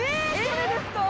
これですか？